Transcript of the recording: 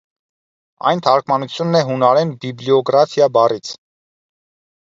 Այն թարգմանությունն է հունարեն բիբլիոգրաֆիա բառից։